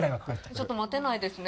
ちょっと待てないですね。